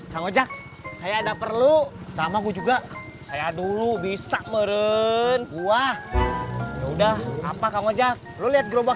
sang ojak saya ada perlu sama gue juga saya dulu bisa meren gua udah apa kang ojak lu lihat gerobak